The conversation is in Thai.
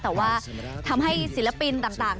แต่ว่าทำให้ศิลปินต่าง